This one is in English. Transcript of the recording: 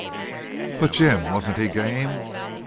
"But, Jim, wasn't he game?